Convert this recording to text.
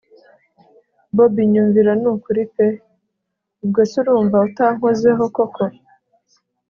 bobi nyumvira nukuri pe! ubwo se urumva utankozeho koko